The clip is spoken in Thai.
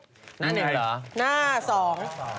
หน้าหนึ่งเหรอหน้าสอง